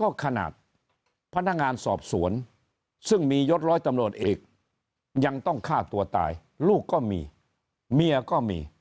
ก็ขนาดพนักงานสอบสวนซึ่งมียศร้อยตำรวจเอกยังต้องฆ่าตัวตายลูกก็มีเมียก็มี